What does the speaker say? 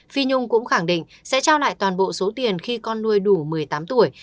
phi nhung cũng khẳng định sẽ trao lại toàn bộ số tiền khi con nuôi đủ một mươi tám tuổi